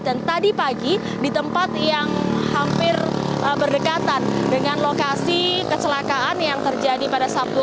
dan tadi pagi di tempat yang hampir berdekatan dengan lokasi kecelakaan yang terjadi pada sabtu